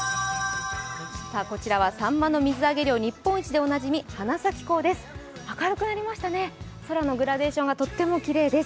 こちらはさんまの水揚げ量日本一でおなじみ、花咲港です。